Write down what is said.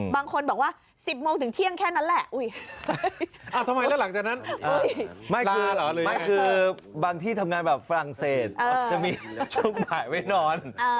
บางคนบอกว่า๑๐โมงถึงเที่ยงแค่นั้นแหละอุ๊ยไม่คือบางที่ทำงานแบบฝรั่งเศสจะมีช่วงบ่ายไม่นอน